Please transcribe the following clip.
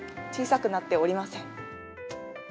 小さくなっておりません。